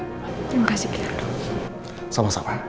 terima kasih banyak dok